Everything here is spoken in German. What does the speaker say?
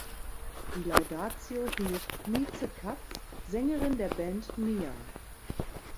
Die Laudatio hielt Mieze Katz, Sängerin der Band Mia.